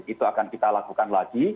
itu akan kita lakukan lagi